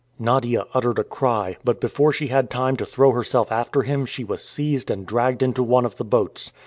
Nadia uttered a cry, but before she had time to throw herself after him she was seized and dragged into one of the boats.